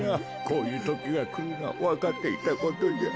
こういうときがくるのはわかっていたことじゃ。